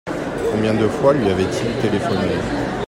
Combien de fois lui avaient-ils téléphoné ?